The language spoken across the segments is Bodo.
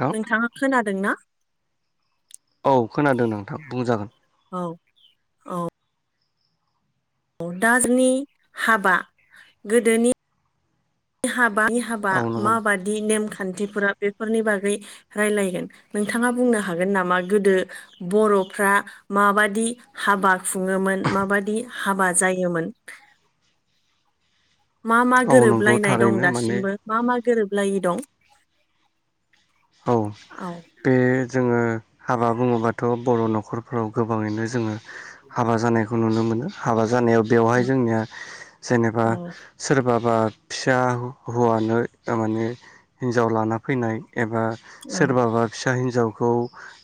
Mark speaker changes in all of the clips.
Speaker 1: नोंथां
Speaker 2: नोंथाङा खोनादोंना
Speaker 1: औ खोनादों नोंथां बुंजागोन
Speaker 2: औ औ दा जोंनि हाबा गोदोनि हाबा हाबा
Speaker 1: औ नंगौ
Speaker 2: माबादि नेम खान्थिफोर बेफोरनि बागै रायलायगोन नोंथाङा बुंनो हागोन नामा गोदो बर' फ्रा माबादि हाबा खुङोमोन माबादि हाबा जायोमोन [inaudible] मा मा
Speaker 1: औ नंगौ
Speaker 2: गोरोबलायनाय दं
Speaker 1: थारैनो माने
Speaker 2: दासिमबो मा मा गोरोबलायि दं
Speaker 1: औ
Speaker 2: औ
Speaker 1: बे जोङो हाबा बुङोबाथ' बर' न'खरफ्राव गोबाङैनो जोङो हाबा जानायखौ नुनो मोनो हाबा जानायाव बेवहाय जोंनिया जेनेबा
Speaker 2: औ
Speaker 1: सोरबा बा फिसा हौवानो माने हिन्जाव लाना फैनाय एबा
Speaker 2: औ
Speaker 1: सोरबाबा फिसा हिन्जावखौ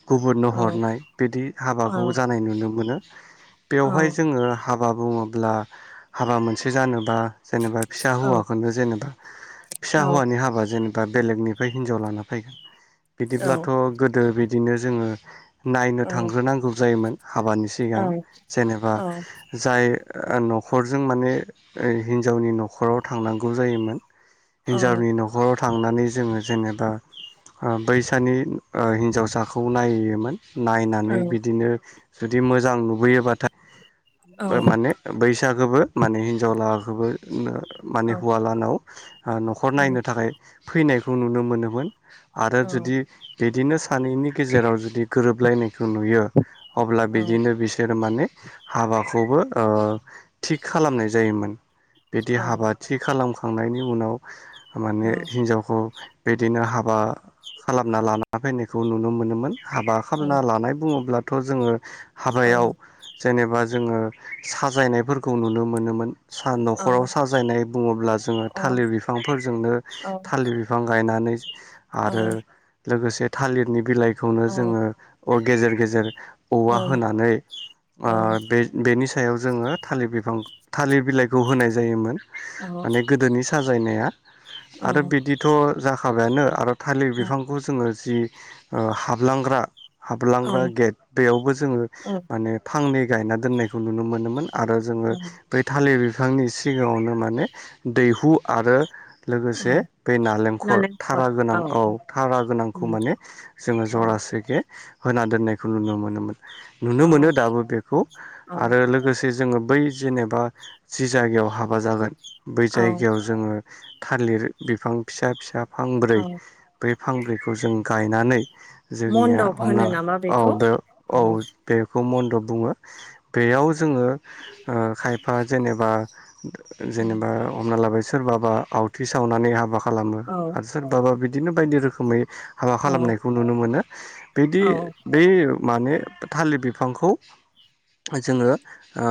Speaker 1: गुबुननो
Speaker 2: औ
Speaker 1: हरनाय बिदि
Speaker 2: औ
Speaker 1: हाबाखौ जानाय नुनो मोनो
Speaker 2: औ
Speaker 1: बेवहाय जोङो हाबा बुङोब्ला हाबा मोन से जानोबा जेनेबा फिसा
Speaker 2: औ
Speaker 1: हौवाखौनो जेनेबा फिसा
Speaker 2: औ
Speaker 1: हौवानि हाबा जेनेबा बा बेलेगनिफाय हिनजाव लाना फैगोन
Speaker 2: औ
Speaker 1: बिदिब्लाथ' गोदो बिदिनो जोङो नायनो
Speaker 2: औ
Speaker 1: थांग्रोनांगौ जायोमोन हाबानि
Speaker 2: औ
Speaker 1: सिगां जेनेबा जाय नख खरजों माने हिनजावनि न'खराव थांनांगौ जायोमोन हिनजावनि न'खराव थांनानै जोङो जेनेबा बैसानि ओ हिनजावसाखौ नायोमोन
Speaker 2: औ
Speaker 1: नायनानै बिदिनो जुदि मोजां नुबोयोबाथा
Speaker 2: औ
Speaker 1: माने बैसाखोबो माने हिनजाव लाहाखोबो माने हौवा लाहानाव न'खर
Speaker 2: औ
Speaker 1: नायनो थाखाय फैनायखौ नुनो मोनोमोन आरो
Speaker 2: औ
Speaker 1: जुदि बिदिनो सानैनि गेजेराव जुदि गोरोबलायनायखौ नुयो अब्ला
Speaker 2: नालेंखर
Speaker 1: बिदिनो बिसोर माने हाबाखौबो ओ थि खालामनाय जायोमोन बिदि हाबा
Speaker 2: औ
Speaker 1: थि खालामखांनायनि उनाव
Speaker 2: औ
Speaker 1: माने हिनजावखौ बिदिनो हाबा खालामना लाना फैनायखौ नुनो मोनोमोन हाबा खालामना लानाय बुङोब्लाथ' जोङो
Speaker 2: ओ
Speaker 1: हाबायाव जेनेबा जोङो साजायनायफोरखौ नुनो मोनोमोन सा न'खराव साजायनाय बुङोब्ला जोङो थालिर बिफांफोरजोंनो थालिर बिफां गायनानै आरो लोगोसे थालिरनि बिलाइखौनो जोङो गेजेर गेजेर औवा होनानै ओ बे बे बिनि सायाव जोङो थालिर बिफां थालिर बिलाइखौ होनाय जायोमोन माने गोदोनि साजाय जायनाया आरो बिदिथ' जाखाबायानो आरो थालिर बिफांखौ जोङो जि ओ हाबलांग्रा हाबलांग्रा गेट बेयावबो जोङो माने फांनै गायना दोननायखौ नुनो मोनोमोन आरो जोङो बै थालिर बिफांनि सिगाङावनो माने दैहु आरो लोगोसे बै नालेंखर थारा गोनां औ थारा
Speaker 2: औ
Speaker 1: गोनांखौ माने जोङो जरा सेगे होना दोननायखौ नुनो मोनोमोन नुनो मोनो दाबो बेखौ आरो लोगोसे जोङो बै जेनेबा जि जायगायाव हाबा जागोन बै
Speaker 2: औ
Speaker 1: जायगायाव जोङो थालिर बिफां फिसा फिसा फांब्रै
Speaker 2: औ
Speaker 1: बे फांब्रैखौ जों गायनानै जोंनिया
Speaker 2: मन्दप
Speaker 1: हमना
Speaker 2: होनो नामा
Speaker 1: औ
Speaker 2: बेखौ
Speaker 1: बे औ बे खौ मन्दप बुङो बेयाव जोङो ओ खायफा जेनेबा जेनेबा हमना लाबाय सोरबाबा आवथि सावनानै हाबा खालामो
Speaker 2: औ
Speaker 1: आरो सोरबाबा बि बिदिनो बायदि रोखोमै हाबा
Speaker 2: औ
Speaker 1: खालामनायखौ नुनो मोनो बिदि
Speaker 2: औ
Speaker 1: बै माने थालिर बिफांखौ जोङो ओ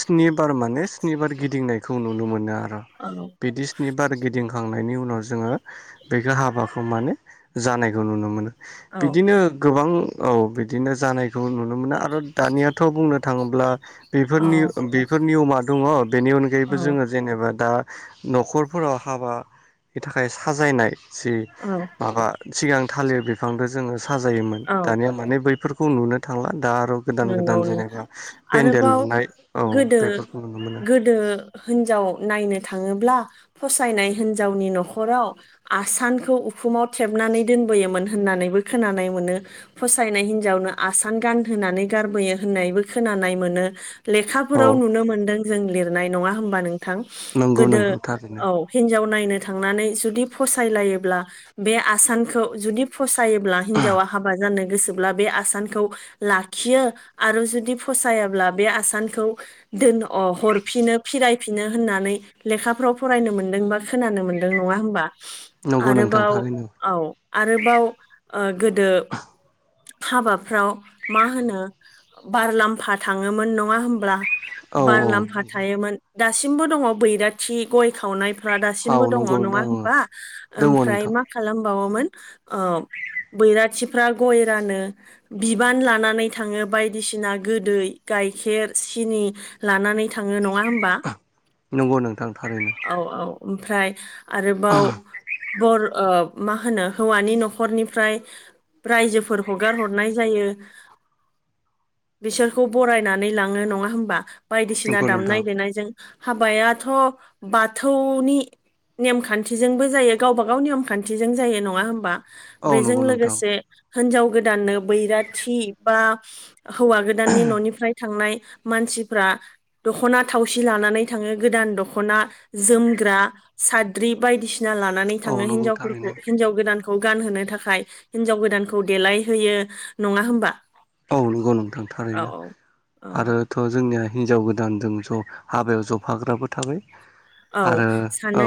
Speaker 1: स्निबार माने स्निबार गिदिंनायखौ नुनो मोनो
Speaker 2: औ
Speaker 1: बिदि स्निबार गिदिंखांनायनि उनाव जोङो बेखौ हाबाखौ माने जानायखौ नुनो मोनो बिदिनो गोबां औ बिदिनो जानायखौ नुनो मोनो आरो दानियाथ' बुंनो थाङोब्ला बेफोरनि बेफोर नियमा दङ बेनि अनगायैबो जोङो जेनेबा दा न'खरफोराव हाबानि थाखाय साजायनाय जि
Speaker 2: औ
Speaker 1: माबा सिगां थालिर बिफांद जोङो साजायोमोन
Speaker 2: औ
Speaker 1: दानिया माने बैफोरखौ नुनो थांला दा आरो गोदान गोदान
Speaker 2: नंगौ नोंथां
Speaker 1: जेनेबा पेन्देल
Speaker 2: आरोबाव
Speaker 1: लुनाय औ बेफोरखौ नुनो मोनो
Speaker 2: हिनजाव नायनो थाङोब्ला फसायनाय हिनजावनि न'खराव आसानखौ उखुमाव थेबनानै दोनबोयोमोन होनना नानैबो खोनानाय मोनो फसायनाय हिनजावनो आसान गानहोनानै गारबोयो होननायबो खोनानाय मोनो
Speaker 1: औ
Speaker 2: लेखाफोराव नुनो मोनदों जों लिरनाय नङा हबा नों
Speaker 1: नंगौ
Speaker 2: गोदो
Speaker 1: नंगौ थारैनो
Speaker 2: औ हिनजाव नायनो थांनानै जुदि फसायलायोब्ला बे आसानखौ जुदि फ सायोब्ला हिनजावा हाबा जानो गोसोब्ला बे आसानखौ ला खियो आरो जुदि फसायाब्ला बे आसानखौ दोन हरफिनो फिरायफिनो बिनो होननानै लेखाफ्राव फरायनो मोन्दों बा खोनानो मोन्दों नङा होनबा
Speaker 1: नंगौ नोंथां
Speaker 2: आरोबाव
Speaker 1: थारैनो
Speaker 2: औ आरोबाव ओ गोदो हाबाफ्राव मा होनो बारलाम्फा थाङोमोन नङा होमब्ला
Speaker 1: औ औ
Speaker 2: बारलाम्फा थायोमोन दासिमबो दङ बैराथि गय खावनाय फ्रा
Speaker 1: औ
Speaker 2: दासिमबो दङ
Speaker 1: नंगौ
Speaker 2: नङा होमबा
Speaker 1: दङ
Speaker 2: ओमफ्राय
Speaker 1: नोंथां
Speaker 2: मा खालामबावोमोन ओ बैराथिफ्रा गय रानो बिबान लानानै थाङो बायदिसिना गोदै गाइखेर सिनि लानानै थाङो नङा होमबा
Speaker 1: नंगौ नोंथां थारैनो
Speaker 2: औ औ ओमफ्राय आरोबाव बर ओ मा होनो हौवानि न'खरनिफ्राय रायजोफोर हगार हरनाय जायो। बिसोरखौ बरायनानै लाङो नङा होमबा बायदिसिना
Speaker 1: नंगौ नोंथां
Speaker 2: दामनाय देनायजों हाबायाथ' बाथौनि नेमखान्थिजोंबो जायो गावबा गाव नेमखान्थिजों जायो नङा होमबा
Speaker 1: औ
Speaker 2: बेजों
Speaker 1: नंगौ नोंथां
Speaker 2: लोगोसे हिनजाव गोदाननो बैराथि बा हौवा गोदाननि न'निफ्राय थांनाय मानसिफ्रा दख'ना थावसि लानानै थाङो गोदान दख'ना जोमग्रा साद्रि बायदिसि ना लानानै
Speaker 1: औ
Speaker 2: थाङो
Speaker 1: नंगौ थारैनो
Speaker 2: हिनजावफोरखौ हिजाव गोदानखौ गान होनो थाखाय हिजाव गोदान खौ देलायहोयो नङा होमबा
Speaker 1: औ नंगौ नोंथां
Speaker 2: औ
Speaker 1: थारैनो
Speaker 2: औ औ
Speaker 1: आरोथ' जोंनिया हिनजाव गोदानजों ज' हाबायाव जफाग्राबो थाबाय
Speaker 2: औ
Speaker 1: आरो औ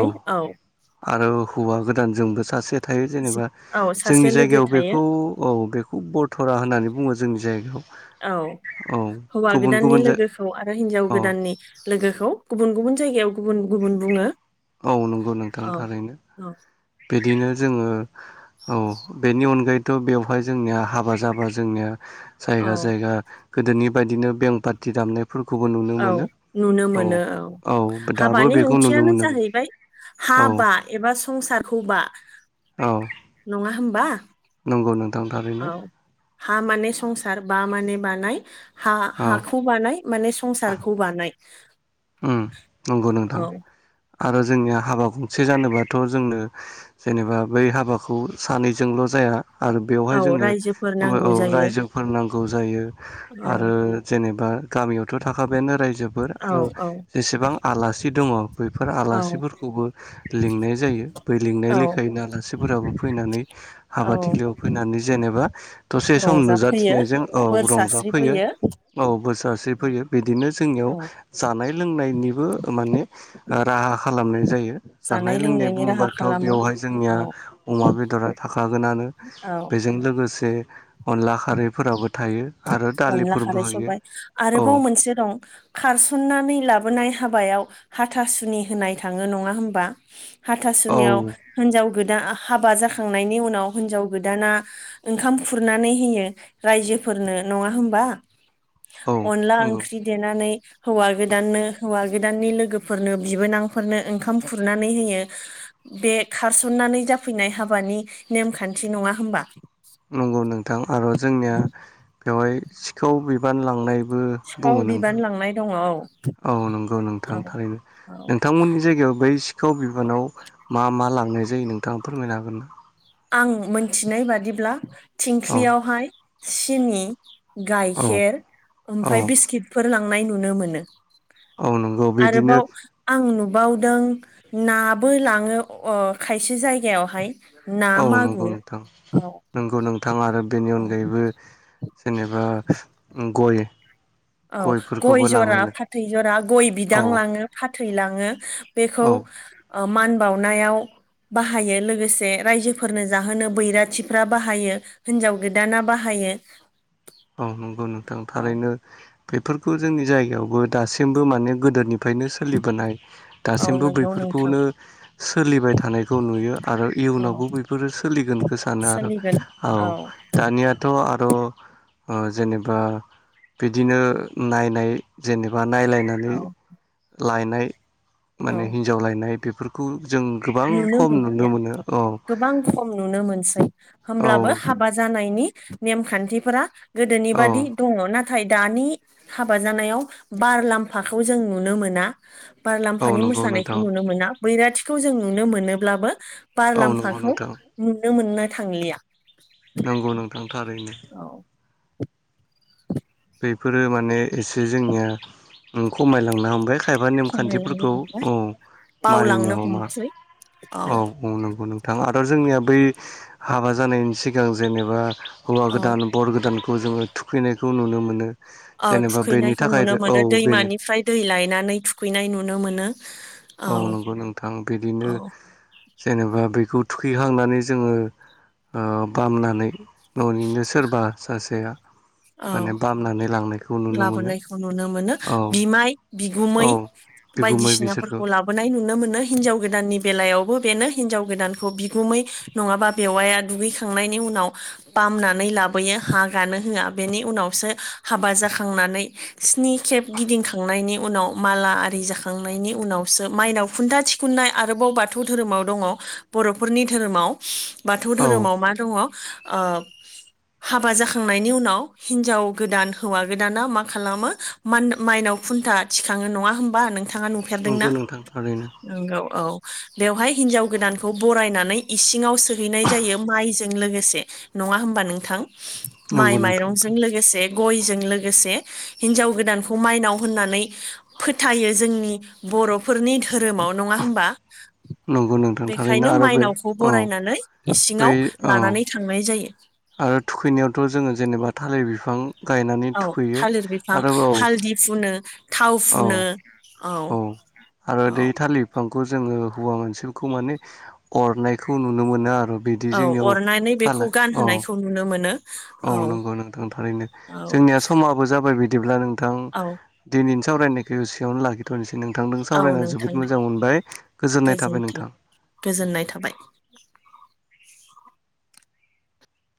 Speaker 1: आरो हौवा गोदान जोंबो सासे थायो
Speaker 2: जि-
Speaker 1: जेनेबा
Speaker 2: औ
Speaker 1: जोंनि
Speaker 2: सासे लोगो
Speaker 1: जायगायाव
Speaker 2: थायो
Speaker 1: बेखौ औ बेखौ बरथ'रा होननानै बुङो। जोंनि जायगायाव
Speaker 2: औ
Speaker 1: औ
Speaker 2: हौवा
Speaker 1: गुबुन
Speaker 2: गोदाननि
Speaker 1: गुबुन जाय
Speaker 2: लोगोखौ आरो हिनजाव
Speaker 1: अ
Speaker 2: गोदाननि लोगोखौ गुबुन गुबुन जायगायाव गुबुन गुबुन बुङो।
Speaker 1: औ नंगौ नोंथां
Speaker 2: औ
Speaker 1: थारैनो
Speaker 2: औ
Speaker 1: बिदिनो जोङो औ बेनि अनगायैथ' बेवहाय जोंनिया हाबा जाबा जोंनिया
Speaker 2: औ
Speaker 1: जायगा जायगा गोदोनि बायदिनो बें पार्टि दामनाय फोरखौबो नुनो
Speaker 2: औ
Speaker 1: मोनो
Speaker 2: नुनो
Speaker 1: औ
Speaker 2: मोनो
Speaker 1: औ दाबो
Speaker 2: हाबानि
Speaker 1: बेखौ नुनो
Speaker 2: ओंथियानो
Speaker 1: मोनदों।
Speaker 2: [unintelligible] हाबा एबा संसारखौ बा
Speaker 1: औ नंगौ नों
Speaker 2: औ हा माने संसार बा माने बानाय हा
Speaker 1: औ
Speaker 2: हाखौ बानाय माने संसारखौ बानाय
Speaker 1: ओम नंगौ
Speaker 2: औ
Speaker 1: नोंथां। आरो जोंनिया हाबा गंसे जानोबाथ' जोंनो जेनेबा बै हाबाखौ सानैजोंल' जाया आरो बेवहाय
Speaker 2: औ
Speaker 1: जोंनो
Speaker 2: रायजोफोर
Speaker 1: ओ
Speaker 2: नांगौ
Speaker 1: औ
Speaker 2: जायो
Speaker 1: रायजोफोर नांगौ जायो
Speaker 2: औ
Speaker 1: आरो जेनेबा गामियावथ' थाखाबायानो रायजोफोर
Speaker 2: औ
Speaker 1: आरो
Speaker 2: औ
Speaker 1: जेसेबां आलासि दङ बैफोर
Speaker 2: औ
Speaker 1: आलासिफोरखौबो लिंनाय जायो। बै लिंनाय
Speaker 2: औ
Speaker 1: लेखायैनो आलासिफोराबो फैनानै
Speaker 2: औ
Speaker 1: हाबाथिलियाव फैनानै जेनेबा दसे सम
Speaker 2: रंजाफैयो
Speaker 1: नुजाथिनायजों औ
Speaker 2: बोर
Speaker 1: रंजाफैयो।
Speaker 2: सारस्रिफैयो
Speaker 1: औ बोर सारस्रि फैयो बिदिनो जोंनियाव
Speaker 2: औ
Speaker 1: जानाय लों नायनिबो माने राहा खालामनाय जायो जानाय लोंनाय
Speaker 2: लोंनायनि राहा
Speaker 1: बुङोबाथ'
Speaker 2: खालामो
Speaker 1: बेवहाय जोंनिया
Speaker 2: औ
Speaker 1: अमा बेदरा थाखागोनानो
Speaker 2: औ
Speaker 1: बेजों लोगोसे अनला खारैफोराबो थायो आरो
Speaker 2: अनला
Speaker 1: दालिफोरबो
Speaker 2: खारै
Speaker 1: होयो
Speaker 2: सबाय
Speaker 1: औ
Speaker 2: आरोबाव मोनसे दं खारसन्नानै लाबोनाय हाबायाव हाथासुनि होनाय थाङो नङा होमबा हाथा
Speaker 1: औ
Speaker 2: सुनियाव हिनजाव गोदान हाबा जाखांनायनि उनाव हिनजाव गोदाना ओंखाम खुरनानै होयो रायजो फोरनो नङा होमबा
Speaker 1: औ
Speaker 2: अनला
Speaker 1: नंगौ
Speaker 2: ओंख्रि देनानै हौवा गोदाननो हौवा गोदाननि लोगोफोरनो बिबोनांफोरनो ओंखाम खुरनानै होयो। बे खारसन्नानै जाफैनाय हाबानि नेमखान्थि नङा होमबा?
Speaker 1: नंगौ नोंथां आरो जोंनिया बेवहाय सिखाव बिबान लांनाय
Speaker 2: सिखाव बिबान लांनाय दङ
Speaker 1: ओं नंगौ नोंथां
Speaker 2: औ
Speaker 1: ‌थारैनो
Speaker 2: औ
Speaker 1: नोंथमोननि जायगायाव‌ बै बिखौ बिबानाव मा मा लांनाय जायो नोंथाङा फोरमायनो हागोन ना
Speaker 2: आं मोनथिनाय बादिब्ला
Speaker 1: औ
Speaker 2: थिंख्लियावहाय सिनि
Speaker 1: औ
Speaker 2: गाइखेर
Speaker 1: औ
Speaker 2: ओमफ्राय बिस्किटफोर लांनाय नुनो मोनो
Speaker 1: औ नंगौ बिदिनो
Speaker 2: आरोबाव आं नुब बावदों नाबो लाङो अ खायसे जायगायावहाय ना
Speaker 1: औ नंगौ
Speaker 2: मागुर
Speaker 1: नोंथां
Speaker 2: औ
Speaker 1: नंगौ नोंथां आरो बेनि
Speaker 2: औ
Speaker 1: अनगायैबो जेनेबा गय
Speaker 2: औ गय
Speaker 1: गयफोरखौबो
Speaker 2: जरा
Speaker 1: लांनायनो
Speaker 2: फाथै जरा गय बिदां
Speaker 1: औ
Speaker 2: लाङो फाथै लाङो बेखौ
Speaker 1: औ
Speaker 2: मान बानायाव बाहायो लोगोसे रायजोफोरनो जाहोनो बैराथिफ्रा बाहायो हिनजाव गोदाना बाहाय [inaudible]
Speaker 1: औ नंगौ नोंथां थारैनो बेफोरखौ जोंनि जायगायावबो दासिमबो माने गोदोनि ओमफायनो सोलिबोनाय
Speaker 2: औ
Speaker 1: दासिमबो
Speaker 2: नंगौ नोंथां
Speaker 1: बैफोरखौनो सोलिबाय थानायखौ नुयो आरो
Speaker 2: औ
Speaker 1: इयुनावबो बेफोरो सोलिगोनखौ सानो आरो औ दानियाथ' आ अ जेबा बिदिनो नायनाय बा नायलायनानै
Speaker 2: औ
Speaker 1: लायनाय माने हिन्जाव लायनाय बेफोरखौ जों गोबां खम नुनो मोनो औ
Speaker 2: गोबां खम नुनो मोनसै
Speaker 1: औ
Speaker 2: होमब्लाबो हाबा जानायनि नेमखान्थिफोरा गोदोनि
Speaker 1: औ
Speaker 2: बादि दङ नाथाय नाथाय दानि हाबा जानायाव बारलाम्फाखौ जों नुनो मोना बार
Speaker 1: औ
Speaker 2: लाम्फानि
Speaker 1: नंगौ
Speaker 2: मोसानायखौ
Speaker 1: नोंथां
Speaker 2: नुनो मोना बैराथिखौ जों नुनो मोनोब्लाबो बार
Speaker 1: औ नंगौ
Speaker 2: लाम्फाखौ
Speaker 1: नोंथां
Speaker 2: नुनो मोननो थांलिया
Speaker 1: नांगौ नोंथां थारैनो
Speaker 2: औ
Speaker 1: बेफोरो माने एसे जोंनिया खमायलांनो हमबाय खायफा
Speaker 2: खमायलांनो
Speaker 1: नेमखान्थिफोरखौ
Speaker 2: हमबाय
Speaker 1: औ मानिनो
Speaker 2: बावलांनो
Speaker 1: हमा
Speaker 2: हमसै
Speaker 1: औ औ नंगौ नोंथां आरो जोंनियाब बै हाबा जानायनि सिगां जेनेबा हौवा
Speaker 2: औ
Speaker 1: गोदान बर गोदान खौ जोङो थुखैनायखौ नुनो मोनो
Speaker 2: औ
Speaker 1: जेनेबा बेनि
Speaker 2: थुखैनायखौ
Speaker 1: थाखाय
Speaker 2: नुनो
Speaker 1: औ
Speaker 2: मोनो
Speaker 1: बेनो
Speaker 2: दैमानिफ्राय दै लायनानै थुखैनाय नुनो मोनो
Speaker 1: औ नंगौ नोंथां बिदिनो
Speaker 2: औ
Speaker 1: जेनेबा बेखौ थुखैहांनानै जोङो बामनानै न'निनो सोरबा सासेया
Speaker 2: औ
Speaker 1: माने बामनानै लांनायखौ नुनो मोनो
Speaker 2: लाबोनायखौ नुनो मोनो
Speaker 1: औ
Speaker 2: बिमाय
Speaker 1: औ
Speaker 2: बिगुमै
Speaker 1: बिगुमै बिसोरखौ
Speaker 2: बायदिसिनाफोरखौ लाबोनाय नुनो मोनो हिनजाव गोदाननि बेलायाव बेनो हिनजाव गोदानखौ बिगुमै नङाबा बेवाया दुगैखांनायनि उनाव फामनानै लाबोयो हा गानो होआ बेनि उनावसो हाबा जाखांनानै स्नि खेब गिदिंखांनायनि उनाव माला आरो जाखांनायनि उनावसो माइनाव खुन्था थिखुन्नाय आरोबाव बाथौ धोरोमाव दङ बर'फोरनि धोर धोरोमाव बाथौ
Speaker 1: औ
Speaker 2: धोरोमाव मा दङ हाबा जाखांनायनि उनाव हिनजाव गोदान हौवा गोदाना मा खालामो माइनाव खुन्था थिखाङो नङा होमबा नों नथाङा नुफेरदोंना
Speaker 1: नंगौ नोंथां थारैनो
Speaker 2: नंगौ औ बेवहाय हिनजाव गोदानखौ बरायनानै इसिङाव सोहैनाय जायो माइजों जों लोगोसे नङा होमबा नोंथां
Speaker 1: नंगौ नोंथां
Speaker 2: जों लोगोसे गयजों लोगोसे हिनजाव गोदानखौ माइनाव होननानै फोथायो जोंनि बर'फोरनि धोरोमाव नङा होमबा
Speaker 1: नंगौ नोंथां थारैनो
Speaker 2: बेखायनो
Speaker 1: आरो बे
Speaker 2: माइनावखौ
Speaker 1: औ
Speaker 2: बरायनानै
Speaker 1: बै
Speaker 2: इसिङाव
Speaker 1: औ
Speaker 2: लानानै थांनाय जायो
Speaker 1: आरो थुखैनायावथ' जोङो जेनेबा थालिर बिफां गायनानै
Speaker 2: औ
Speaker 1: थुखैयो
Speaker 2: थालिर बिफां
Speaker 1: आरो औ।
Speaker 2: हालदि फुनो थाव
Speaker 1: औ
Speaker 2: फुनो
Speaker 1: औ आरो दै
Speaker 2: औ
Speaker 1: थालिर बिफांखौ जोङो हौवा मोनसेखौ माने अरनायखौ नुनो मोनो आरो। बिदि
Speaker 2: औ
Speaker 1: जोंनियाव
Speaker 2: अरनानै बेखौ
Speaker 1: खालाय अ
Speaker 2: गानहोनायखौ नुनो मोनो
Speaker 1: औ नंगौ नोंथां थारैनो
Speaker 2: औ
Speaker 1: जोंनिया समाबो जाबाय बिदिब्ला नोंथां
Speaker 2: औ
Speaker 1: दिनैनि सावरायनायखौ एसेयावनो लाखिथ'नोसै नोंथांजों
Speaker 2: औ
Speaker 1: सावरायना जोबोद
Speaker 2: नोंथांनो
Speaker 1: मोजां मोनबाय गोजोननाय थाबाय
Speaker 2: गोजोनथों
Speaker 1: नोंथां।
Speaker 2: गोजोननाय थाबाय।